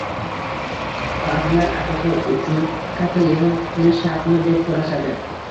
Ba’zilar: “Aqiqa uchun katta yig‘in qilish shartmi?” deb so‘rashadi.